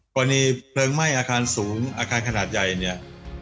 กรณีเพลิงไหม้อาคารสูงอาคารขนาดใหญ่เนี่ย